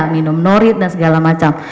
minum norit dan segala macam